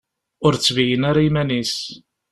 Ur d-tbeyyen ara iman-is.